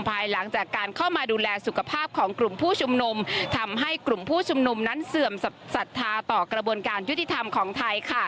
ภายหลังจากการเข้ามาดูแลสุขภาพของกลุ่มผู้ชุมนุมทำให้กลุ่มผู้ชุมนุมนั้นเสื่อมศรัทธาต่อกระบวนการยุติธรรมของไทย